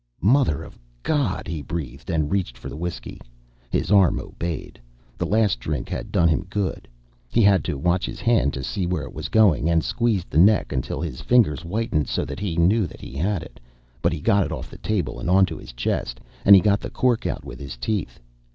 "Mother of God!" he breathed, and reached for the whiskey. His arm obeyed. The last drink had done him good. He had to watch his hand to see where it was going, and squeezed the neck until his fingers whitened so that he knew that he had it, but he got it off the table and onto his chest, and he got the cork out with his teeth.